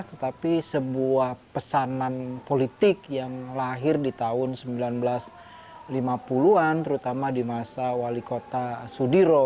tetapi sebuah pesanan politik yang lahir di tahun seribu sembilan ratus lima puluh an terutama di masa wali kota sudiro